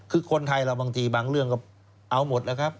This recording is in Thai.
คือคนไทยเราบางทีบางเรื่องก็เอาหมดแล้วครับ